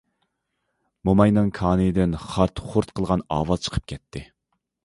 موماينىڭ كانىيىدىن خارت- خۇرت قىلغان ئاۋاز چىقىپ كەتتى.